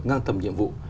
ngang thầm nhiệm vụ